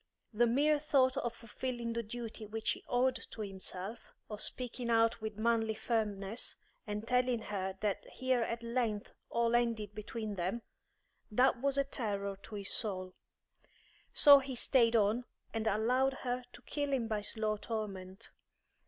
The mere thought of fulfilling the duty which he owed to himself, of speaking out with manly firmness, and telling her that here at length all ended between them that was a terror to his soul. So he stayed on and allowed her to kill him by slow torment.